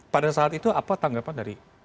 pada saat itu apa tanggapan dari